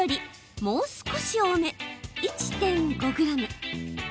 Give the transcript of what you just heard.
もう少し多め１．５ｇ。